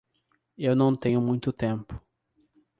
Eu não tenho muito tempo